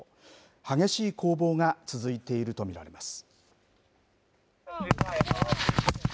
激しい攻防が続いていると見られます。